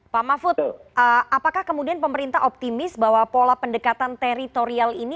pak mahfud apakah kemudian pemerintah optimis bahwa pola pendekatan teritorial ini